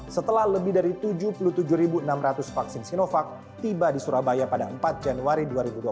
setelah lebih dari tujuh puluh tujuh enam ratus vaksin sinovac tiba di surabaya pada empat januari dua ribu dua puluh